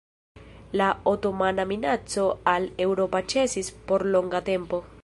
La otomana minaco al Eŭropo ĉesis por longa tempo.